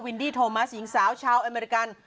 ดี้โทมัสหญิงสาวชาวอเมริกัน